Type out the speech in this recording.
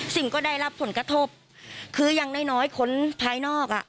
สิ่งก็ได้รับผลกระทบคืออย่างน้อยน้อยคนภายนอกอ่ะ